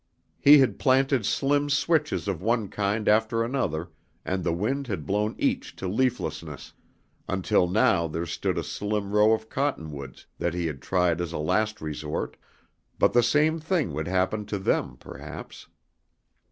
He had planted slim switches of one kind after another and the wind had blown each to leaflessness, until now there stood a slim row of cottonwoods that he had tried as a last resort, but the same thing would happen to them, perhaps.